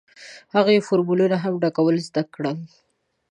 هغوی فورمونه هم ډکول زده کړل.